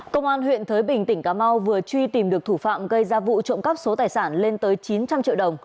công an huyện thới bình tỉnh cà mau vừa truy tìm được thủ phạm gây ra vụ trộm cắp số tài sản lên tới chín trăm linh triệu đồng